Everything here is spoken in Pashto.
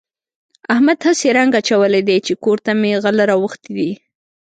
احمد هسې رنګ اچولی دی چې کور ته مې غله راوښتي دي.